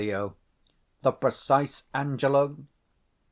_ The prenzie Angelo!